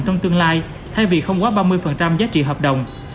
trong tương lai thay vì không quá ba mươi giá trị hợp đồng